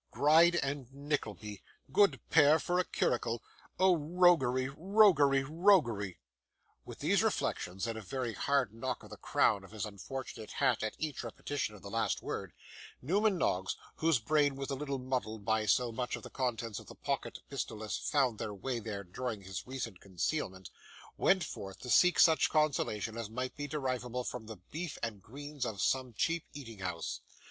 Gride and Nickleby! Good pair for a curricle. Oh roguery! roguery! roguery!' With these reflections, and a very hard knock on the crown of his unfortunate hat at each repetition of the last word, Newman Noggs, whose brain was a little muddled by so much of the contents of the pocket pistol as had found their way there during his recent concealment, went forth to seek such consolation as might be derivable from the beef and greens of some cheap eating house.